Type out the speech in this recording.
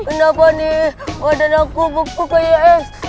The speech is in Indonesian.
kenapa nih wadah aku bukti kayak es